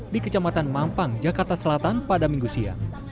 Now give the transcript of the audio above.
di kecamatan mampang jakarta selatan pada minggu siang